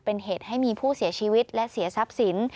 เป็นเหตุให้มีผู้เสียชีวิตและเสียทรัพย์สิน